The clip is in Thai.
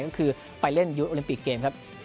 ก็คือไปเล่นยุทย์โอลิมปิคเกม